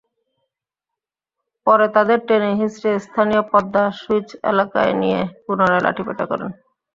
পরে তাঁদের টেনে -হিঁচড়ে স্থানীয় পদ্মা স্লুইস এলাকায় নিয়ে পুনরায় লাঠিপেটা করেন।